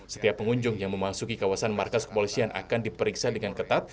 setiap pengunjung yang memasuki kawasan markas kepolisian akan diperiksa dengan ketat